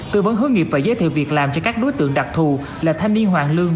tư vấn hướng nghiệp và giới thiệu việc làm cho các đối tượng đặc thù là thanh niên hoàng lương